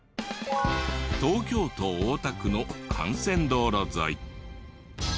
東京都大田区の幹線道路沿い。